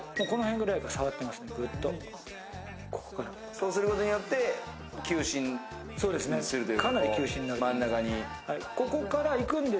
そうすることによって、求心するという。